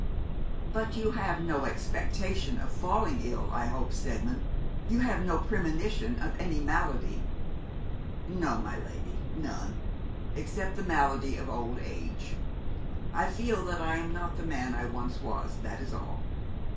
'But you have no expectation of falling ill, I hope, Steadman; you have no premonition of any malady?' 'No, my lady, none except the malady of old age. I feel that I am not the man I once was, that is all.